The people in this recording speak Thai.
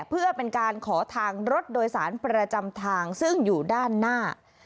เพื่อเป็นการขอทางรถโดยสารประจำทางซึ่งอยู่ด้านหน้า